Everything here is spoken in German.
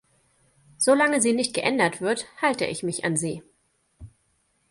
Solange sie nicht geändert wird, halte ich mich an sie.